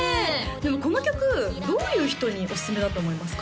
でもこの曲どういう人におすすめだと思いますか？